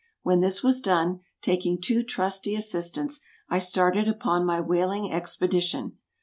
When this was done, taking two trusty assistants, I started upon my whaling expedition.